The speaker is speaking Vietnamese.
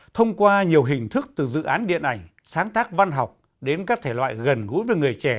thông qua nhiều hình thức từ dự án điện ảnh sáng tác văn học đến các thể loại gần gũi với người trẻ